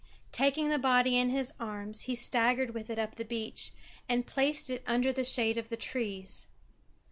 Taking the body in his arms he staggered with it up the beach, and placed it under the shade of the trees.